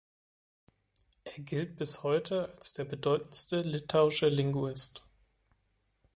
Er gilt bis heute als der bedeutendste litauische Linguist.